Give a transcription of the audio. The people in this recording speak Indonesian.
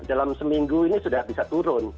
dalam seminggu ini sudah bisa turun